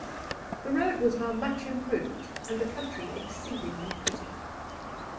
The road was now much improved and the country exceedingly pretty.